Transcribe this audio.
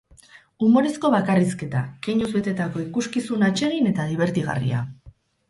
Umorezko bakarrizketa, keinuz betetako ikuskizun atsegin eta dibertigarria.